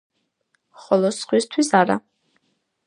ხოლო სხვისთვის არა.